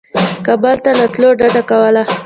کابل ته له تللو ډده کوله.